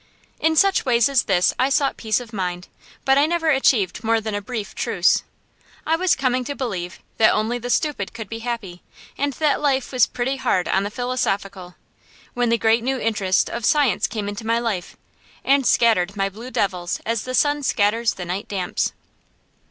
In such ways as this I sought peace of mind, but I never achieved more than a brief truce. I was coming to believe that only the stupid could be happy, and that life was pretty hard on the philosophical, when the great new interest of science came into my life, and scattered my blue devils as the sun scatters the night damps.